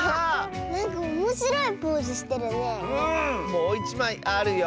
もういちまいあるよ！